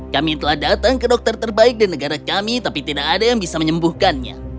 kami telah datang ke dokter terbaik di negara kami tapi tidak ada yang bisa menyembuhkannya